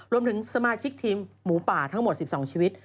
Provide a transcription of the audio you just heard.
รวมถึงสมาชิกทีมหมูป่าทั้งหมด๑๒ชีวิต